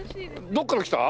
どこから来た？